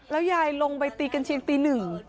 ยายลงไปตีกันเชียงตีหนึ่ง